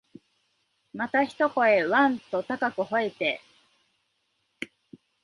また一声、わん、と高く吠えて、